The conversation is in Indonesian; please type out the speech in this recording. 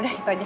udah itu aja